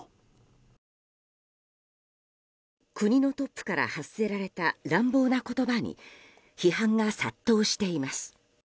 国のトップから発せられた乱暴な言葉に批判が殺到しています。